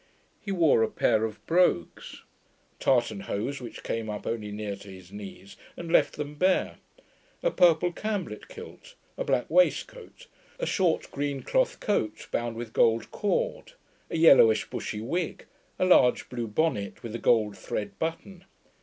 He wore a pair of brogues, tartan hose which came up only near to his knees, and left them bare, a purple camblet kilt, a black waistcoat, a short green cloth coat bound with gold cord, a yellowish bushy wig, a large blue bonnet with a gold thread button.